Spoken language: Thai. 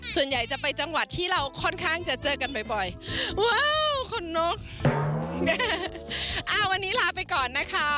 ส่วนใหญ่จะไปจังหวัดที่เราค่อนข้างจะเจอกันบ่อย